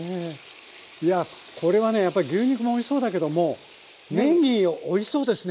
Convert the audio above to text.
いやこれはねやっぱり牛肉もおいしそうだけどもねぎおいしそうですね